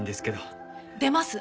出ます。